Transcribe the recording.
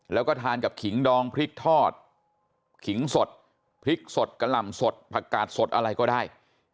แล้วก็ทานกับขิงดองพริกทอดขิงสดพริกสดกะหล่ำสดผักกาดสดอะไรก็ได้